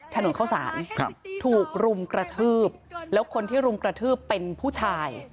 ถนนเข้าสารถูกรุมกระทืบแล้วคนที่รุมกระทืบเป็นผู้ชาย